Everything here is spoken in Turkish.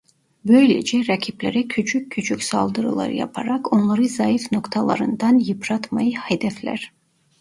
Böylece rakiplere küçük küçük saldırılar yaparak onları zayıf noktalarından yıpratmayı hedefler.